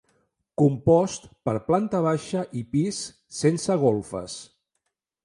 Compost per planta baixa i pis, sense golfes.